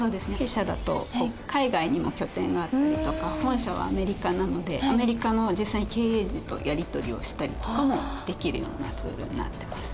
弊社だと海外にも拠点があったりとか本社はアメリカなのでアメリカの実際の経営陣とやり取りをしたりとかもできるようなツールになってます。